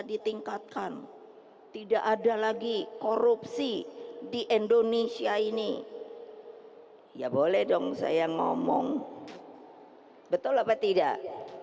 ditingkatkan tidak ada lagi korupsi di indonesia ini ya boleh dong saya ngomong betul apa tidak